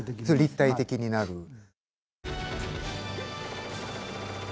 そう立体的になる。